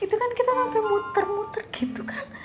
itu kan kita sampai muter muter gitu kan